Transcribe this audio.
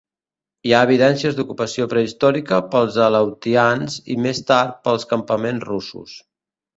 Hi ha evidències d'ocupació prehistòrica pels aleutians i més tard pels campaments russos.